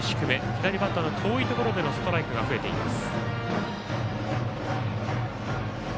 左バッターの遠いところでのストライクが増えています。